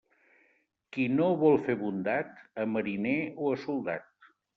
Qui no vol fer bondat, a mariner o a soldat.